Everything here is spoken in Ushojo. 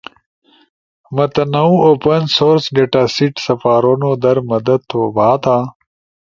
متنوع اوپن سورس ڈیٹاسیٹ سپارونو در مدد تھو بھاتا۔